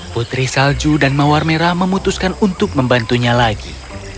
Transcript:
putri salju dan mawar merah memutuskan untuk membantunya lagi